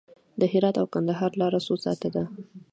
د هرات او کندهار لاره څو ساعته ده؟